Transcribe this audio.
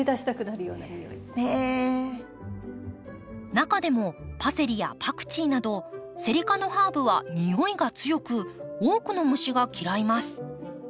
中でもパセリやパクチーなどセリ科のハーブは匂いが強く多くの虫が嫌います。